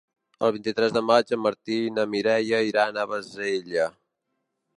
El vint-i-tres de maig en Martí i na Mireia iran a Bassella.